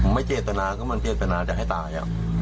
ไม่เจตนาก็มันเจตนาจะให้ตาย